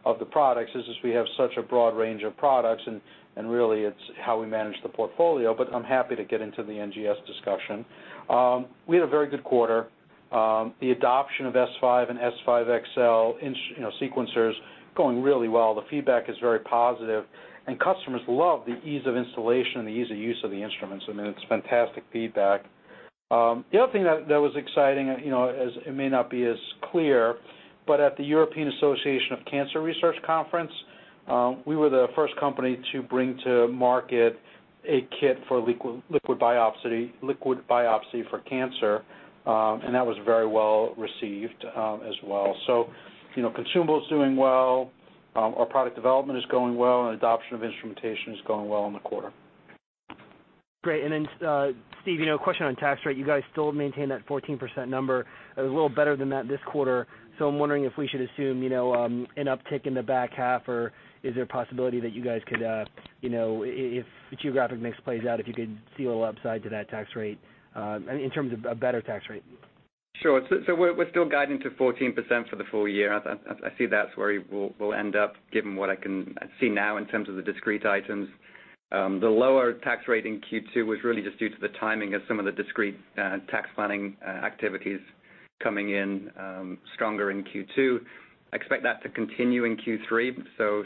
of the products is just we have such a broad range of products, and really it's how we manage the portfolio, but I'm happy to get into the NGS discussion. We had a very good quarter. The adoption of S5 and S5 XL sequencers going really well. The feedback is very positive, and customers love the ease of installation and the ease of use of the instruments. It's fantastic feedback. The other thing that was exciting, it may not be as clear, but at the European Association for Cancer Research conference, we were the first company to bring to market a kit for liquid biopsy for cancer, and that was very well received as well. Consumable is doing well. Our product development is going well, and adoption of instrumentation is going well in the quarter. Great. Steve, a question on tax rate. You guys still maintain that 14% number. It was a little better than that this quarter. I'm wondering if we should assume an uptick in the back half, or is there a possibility that you guys could, if the geographic mix plays out, if you could see a little upside to that tax rate in terms of a better tax rate? Sure. We're still guiding to 14% for the full year. I see that's where we'll end up, given what I can see now in terms of the discrete items. The lower tax rate in Q2 was really just due to the timing of some of the discrete tax planning activities coming in stronger in Q2. I expect that to continue in Q3,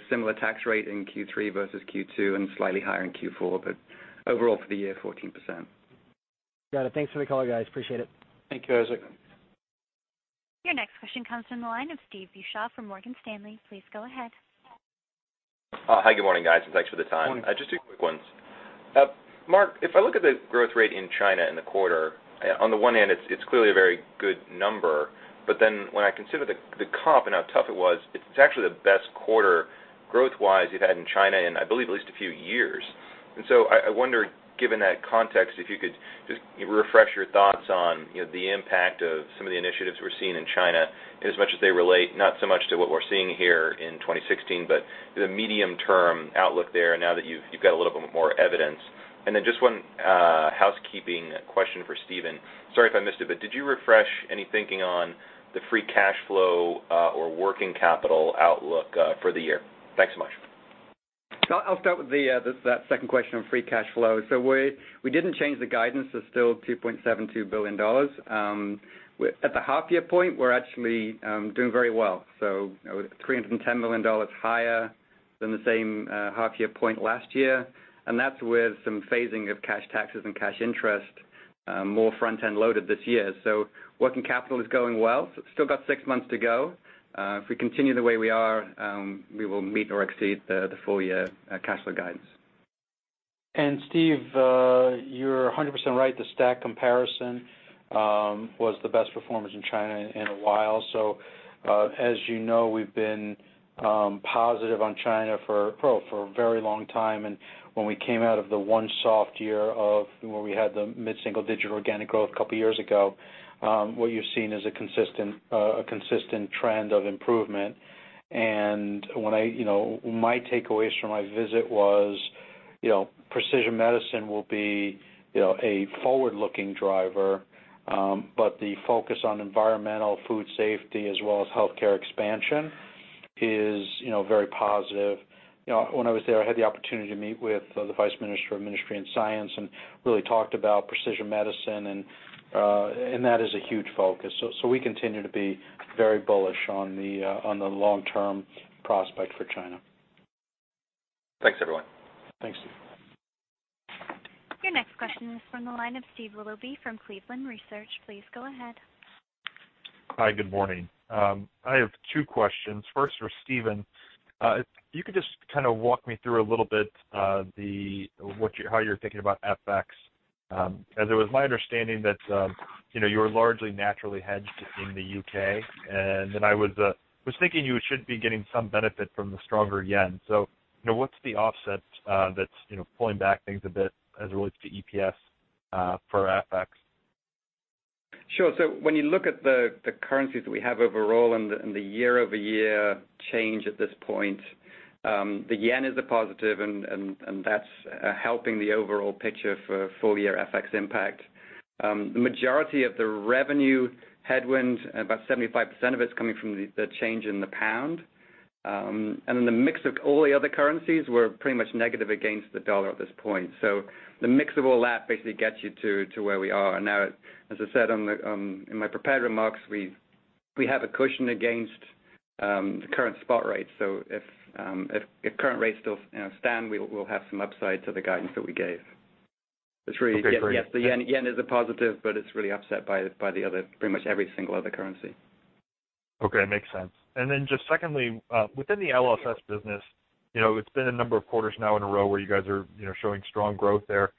similar tax rate in Q3 versus Q2, and slightly higher in Q4, overall for the year, 14%. Got it. Thanks for the call, guys. Appreciate it. Thank you, Isaac. Your next question comes from the line of Steve Beuchaw from Morgan Stanley. Please go ahead. Hi, good morning, guys, and thanks for the time. Morning. Just two quick ones. Marc, if I look at the growth rate in China in the quarter, on the one hand, it's clearly a very good number. When I consider the comp and how tough it was, it's actually the best quarter growth-wise you've had in China in, I believe, at least a few years. I wonder, given that context, if you could just refresh your thoughts on the impact of some of the initiatives we're seeing in China as much as they relate, not so much to what we're seeing here in 2016, but the medium-term outlook there now that you've got a little bit more evidence. Just one housekeeping question for Stephen. Sorry if I missed it, but did you refresh any thinking on the free cash flow or working capital outlook for the year? Thanks so much. I'll start with that second question on free cash flow. We didn't change the guidance. It's still $2.72 billion. At the half-year point, we're actually doing very well, $310 million higher than the same half-year point last year, and that's with some phasing of cash taxes and cash interest more front-end loaded this year. Working capital is going well. Still got six months to go. If we continue the way we are, we will meet or exceed the full-year cash flow guidance. Steve, you're 100% right. The stack comparison was the best performance in China in a while. As you know, we've been positive on China for a very long time, and when we came out of the one soft year of where we had the mid-single-digit organic growth a couple of years ago, what you've seen is a consistent trend of improvement. My takeaways from my visit was precision medicine will be a forward-looking driver, but the focus on environmental food safety as well as healthcare expansion is very positive. When I was there, I had the opportunity to meet with the Vice Minister of Ministry of Science and really talked about precision medicine, and that is a huge focus. We continue to be very bullish on the long-term prospect for China. Thanks, everyone. Thanks. Your next question is from the line of Steve Willoughby from Cleveland Research. Please go ahead. Hi. Good morning. I have two questions. First for Stephen, if you could just walk me through a little bit how you're thinking about FX. As it was my understanding that you're largely naturally hedged in the U.K., and then I was thinking you should be getting some benefit from the stronger yen. What's the offset that's pulling back things a bit as it relates to EPS for FX? Sure. When you look at the currencies that we have overall and the year-over-year change at this point, the yen is a positive, and that's helping the overall picture for full-year FX impact. The majority of the revenue headwind, about 75% of it's coming from the change in the pound. The mix of all the other currencies were pretty much negative against the dollar at this point. The mix of all that basically gets you to where we are now. As I said in my prepared remarks, we have a cushion against the current spot rate. If current rates still stand, we'll have some upside to the guidance that we gave. Okay, great. Yes, the yen is a positive, it's really offset by pretty much every single other currency. Okay. Makes sense. Just secondly, within the LSS business, it's been a number of quarters now in a row where you guys are showing strong growth there.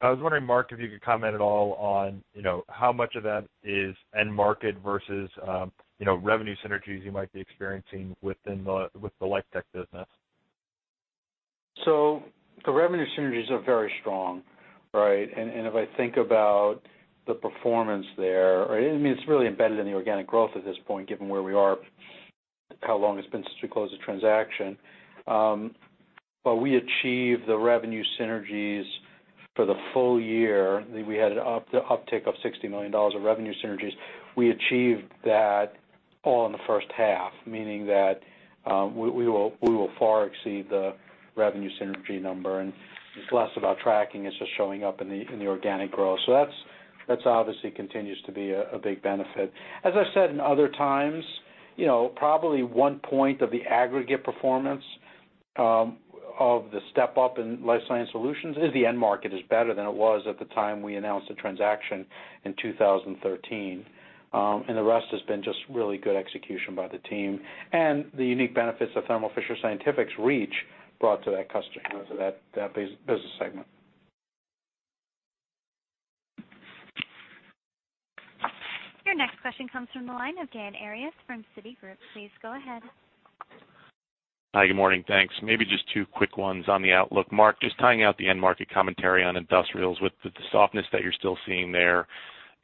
I was wondering, Marc, if you could comment at all on how much of that is end market versus revenue synergies you might be experiencing with the Life Tech business. The revenue synergies are very strong, right? If I think about the performance there, it's really embedded in the organic growth at this point, given where we are, how long it's been since we closed the transaction. We achieved the revenue synergies for the full year. We had an uptick of $60 million of revenue synergies. We achieved that all in the first half, meaning that we will far exceed the revenue synergy number, and it's less about tracking, it's just showing up in the organic growth. That obviously continues to be a big benefit. As I've said in other times, probably one point of the aggregate performance of the step-up in Life Science Solutions is the end market is better than it was at the time we announced the transaction in 2013. The rest has been just really good execution by the team and the unique benefits of Thermo Fisher Scientific's reach brought to that customer, to that business segment. Your next question comes from the line of Dan Arias from Citigroup. Please go ahead. Hi, good morning. Thanks. Maybe just two quick ones on the outlook. Marc, just tying out the end market commentary on industrials with the softness that you're still seeing there,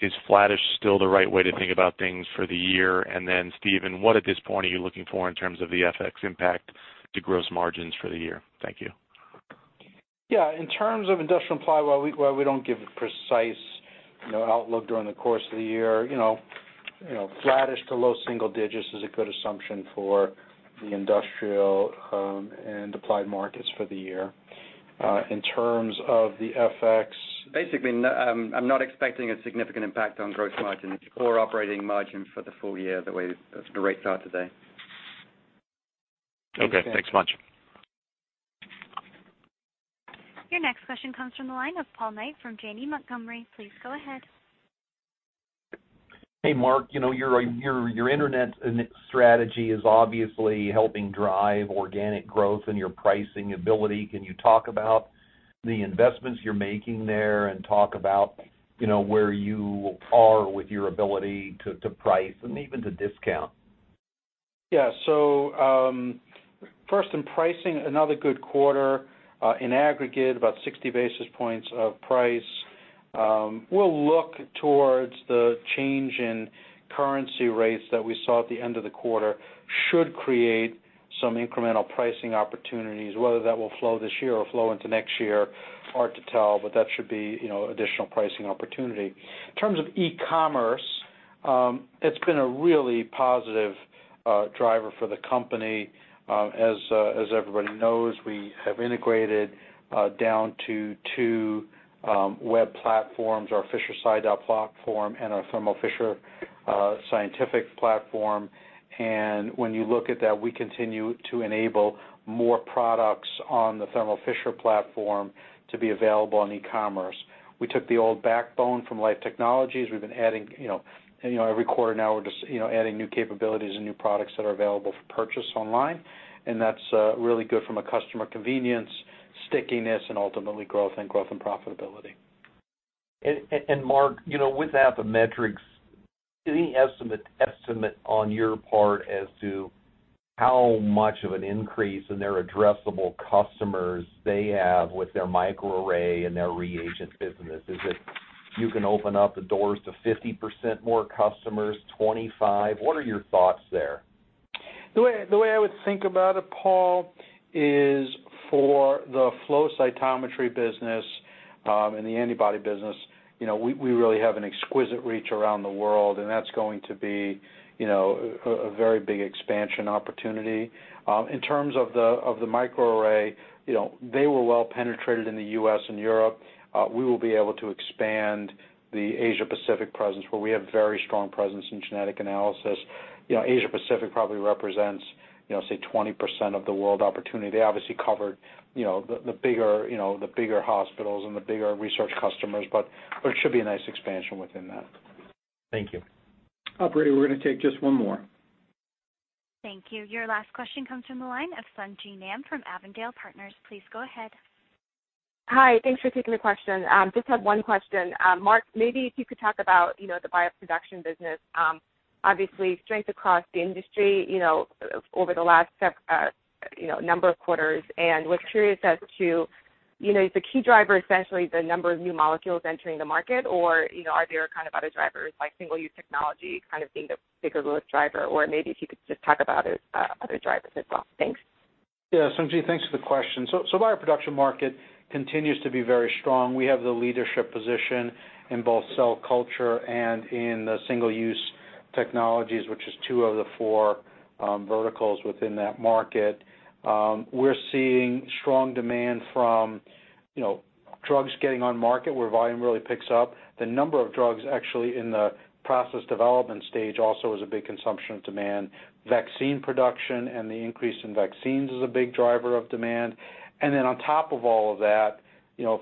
is flattish still the right way to think about things for the year? Stephen, what at this point are you looking for in terms of the FX impact to gross margins for the year? Thank you. Yeah. In terms of industrial and applied, while we don't give a precise outlook during the course of the year, flattish to low single digits is a good assumption for the industrial and applied markets for the year. In terms of the FX- Basically, I'm not expecting a significant impact on gross margin or operating margin for the full year the way the rates are today. Okay, thanks much. Your next question comes from the line of Paul Knight from Janney Montgomery. Please go ahead. Hey, Marc. Your internet strategy is obviously helping drive organic growth and your pricing ability. Can you talk about the investments you're making there and talk about where you are with your ability to price and even to discount? First, in pricing, another good quarter, in aggregate, about 60 basis points of price. We'll look towards the change in currency rates that we saw at the end of the quarter, should create some incremental pricing opportunities. Whether that will flow this year or flow into next year, hard to tell, but that should be additional pricing opportunity. In terms of e-commerce, it's been a really positive driver for the company. As everybody knows, we have integrated down to two web platforms, our Fisher Sci. platform and our Thermo Fisher Scientific platform. When you look at that, we continue to enable more products on the Thermo Fisher platform to be available on e-commerce. We took the old backbone from Life Technologies. Every quarter now, we're just adding new capabilities and new products that are available for purchase online, That's really good from a customer convenience, stickiness, and ultimately growth and profitability. Marc, with that, the metrics, any estimate on your part as to how much of an increase in their addressable customers they have with their microarray and their reagent business? Is it you can open up the doors to 50% more customers, 25? What are your thoughts there? The way I would think about it, Paul, is for the flow cytometry business and the antibody business, we really have an exquisite reach around the world, and that's going to be a very big expansion opportunity. In terms of the microarray, they were well penetrated in the U.S. and Europe. We will be able to expand the Asia-Pacific presence, where we have very strong presence in genetic analysis. Asia-Pacific probably represents, say, 20% of the world opportunity. They obviously covered the bigger hospitals and the bigger research customers, but there should be a nice expansion within that. Thank you. Operator, we're going to take just one more. Thank you. Your last question comes from the line of Sung Ji Nam from Avondale Partners. Please go ahead. Hi. Thanks for taking the question. Just had one question. Marc, maybe if you could talk about the bioproduction business. Obviously, strength across the industry over the last number of quarters, and was curious as to, is the key driver essentially the number of new molecules entering the market, or are there kind of other drivers, like single-use technology kind of being the bigger growth driver? Or maybe if you could just talk about other drivers as well. Thanks. Yeah, Sung Ji, thanks for the question. Bioproduction market continues to be very strong. We have the leadership position in both cell culture and in the single-use technologies, which is two of the four verticals within that market. We're seeing strong demand from drugs getting on market where volume really picks up. The number of drugs actually in the process development stage also is a big consumption of demand. Vaccine production and the increase in vaccines is a big driver of demand. On top of all of that,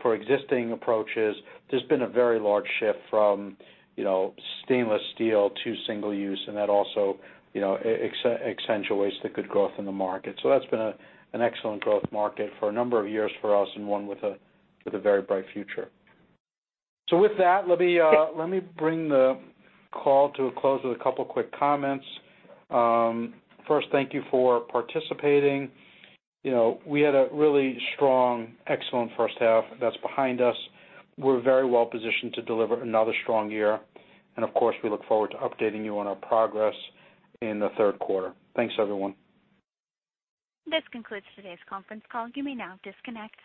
for existing approaches, there's been a very large shift from stainless steel to single use, and that also accentuates the good growth in the market. That's been an excellent growth market for a number of years for us and one with a very bright future. With that, let me bring the call to a close with a couple quick comments. First, thank you for participating. We had a really strong, excellent first half that's behind us. We're very well positioned to deliver another strong year. Of course, we look forward to updating you on our progress in the third quarter. Thanks, everyone. This concludes today's conference call. You may now disconnect.